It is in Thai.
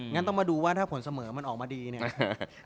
ต้องมาดูว่าถ้าผลเสมอมันออกมาดีเนี่ย